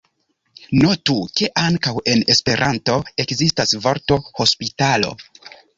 Notu, ke ankaŭ en Esperanto ekzistas vorto hospitalo.